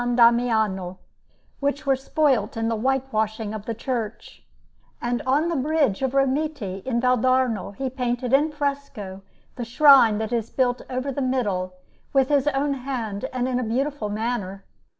Damiano, which were spoilt in the whitewashing of the church; and on the bridge of Romiti in Valdarno he painted in fresco the shrine that is built over the middle, with his own hand and in a beautiful manner.